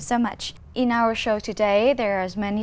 với câu hỏi thứ hai của bạn